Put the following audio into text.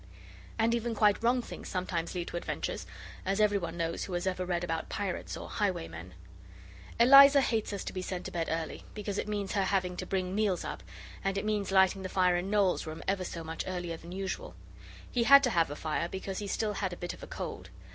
And even quite wrong things sometimes lead to adventures; as every one knows who has ever read about pirates or highwaymen. Eliza hates us to be sent to bed early, because it means her having to bring meals up, and it means lighting the fire in Noel's room ever so much earlier than usual. He had to have a fire because he still had a bit of a cold.